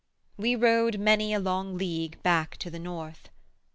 We rode Many a long league back to the North.